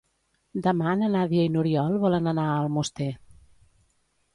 Demà na Nàdia i n'Oriol volen anar a Almoster.